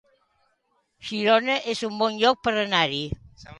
Girona es un bon lloc per anar-hi